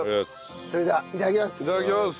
それではいただきます。